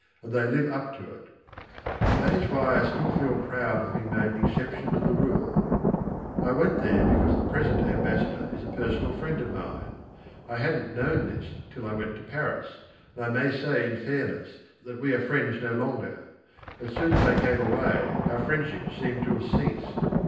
And they live up to it. That is why I still feel proud of having made an exception to the rule. I went there because the present ambassador is a personal friend of mine. I hadn't known this till I went to Paris, and I may say in fairness that we are friends no longer: as soon as I came away, our friendship seemed to have ceased.